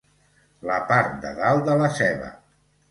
La part de dalt de la ceba.